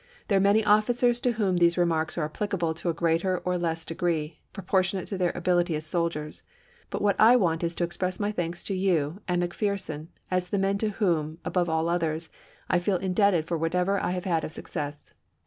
There are many officers to whom these remarks are applicable to a greater or less degree, proportionate to their ability as soldiers, but what I want is to express my thanks to you and McPherson as the men to whom, above all others, I feel indebted for whatever I have had of success.